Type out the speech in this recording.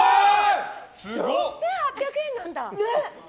６８００円なんだ！